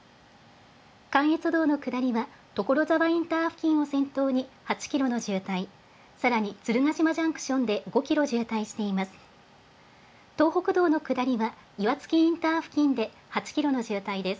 関越道の下りは所沢インター付近を先頭に８キロの渋滞、さらにつるがしまジャンクションで５キロ渋滞しています。